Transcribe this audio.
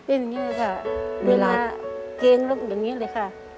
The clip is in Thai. เป็นอย่างนี้ค่ะเวลาเกงลบอย่างนี้เลยค่ะ